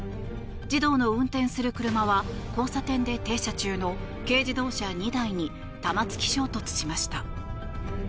児童の運転する車は交差点で停車中の軽自動車２台に玉突き衝突しました。